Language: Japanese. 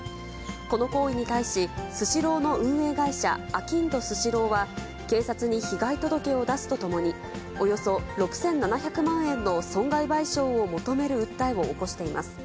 この行為に対し、スシローの運営会社、あきんどスシローは、警察に被害届を出すとともに、およそ６７００万円の損害賠償を求める訴えを起こしています。